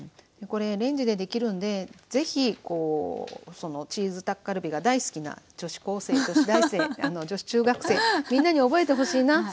これレンジでできるのでぜひチーズタッカルビが大好きな女子高生女子大生女子中学生みんなに覚えてほしいな。